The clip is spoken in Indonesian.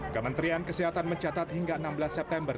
kementerian kesehatan mencatat hingga enam belas september